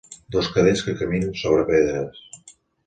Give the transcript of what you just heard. Dos cadells que caminen sobre pedres.